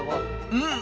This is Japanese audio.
うん？